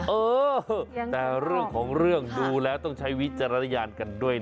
เออแต่เรื่องของเรื่องดูแล้วต้องใช้วิจารณญาณกันด้วยนะ